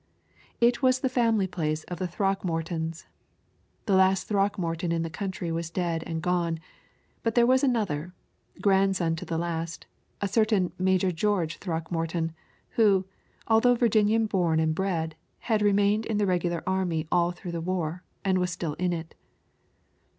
It was the family place of the Throckmortons. The last Throckmorton in the county was dead and gone; but there was another grandson to the last a certain Major George Throckmorton, who, although Virginian born and bred, had remained in the regular army all through the war, and was still in it.